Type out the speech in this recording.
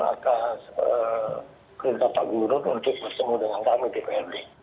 akan minta pak guru untuk bertemu dengan kami di prd